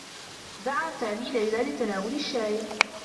دعى سامي ليلى لتناول الشّاي.